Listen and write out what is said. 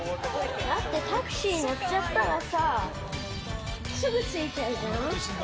だってタクシー乗っちゃったらさあ、すぐ着いちゃうじゃん？